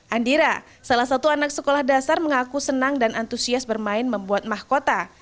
andira salah satu anak sekolah dasar mengaku senang dan antusias bermain membuat mahkota